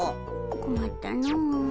こまったの。